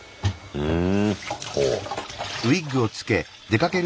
うん。